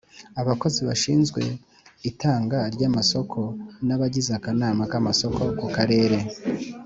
Abakozi bashinzwe itangwa ry amasoko n abagize akanama k amasoko ku Karere